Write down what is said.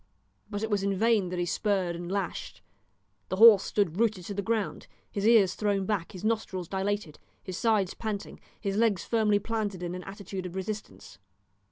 But it was in vain that he spurred and lashed. The horse stood rooted to the ground, his ears thrown back, his nostrils dilated, his sides panting, his legs firmly planted in an attitude of resistance.